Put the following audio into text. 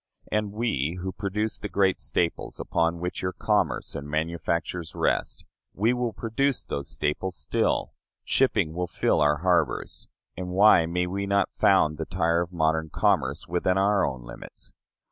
And we who produce the great staples upon which your commerce and manufactures rest, we will produce those staples still; shipping will fill our harbors; and why may we not found the Tyre of modern commerce within our own limits?